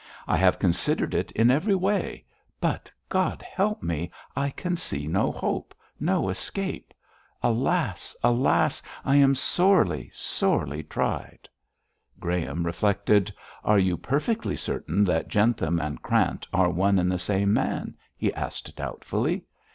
I have considered it in every way but, God help me! I can see no hope no escape. Alas! alas! I am sorely, sorely tried.' Graham reflected. 'Are you perfectly certain that Jentham and Krant are one and the same man?' he asked doubtfully.